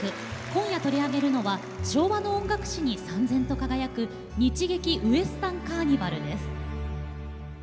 今夜、取り上げるのは昭和の音楽史に、さん然と輝く日劇ウエスタンカーニバルです。